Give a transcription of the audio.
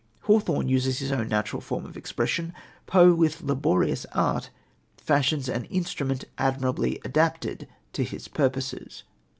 Hawthorne uses his own natural form of expression. Poe, with laborious art, fashions an instrument admirably adapted to his purposes.